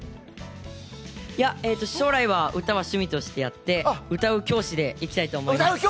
いや、将来は歌は趣味としてやって歌う教師でいきたいと思います。